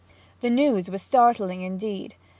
The news was startling, indeed.